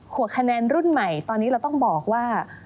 หัวคะแนนรุ่นใหม่ตอนนี้เราต้องบอกว่า